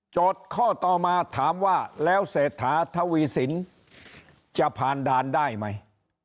ข้อต่อมาถามว่าแล้วเศรษฐาทวีสินจะผ่านด่านได้ไหม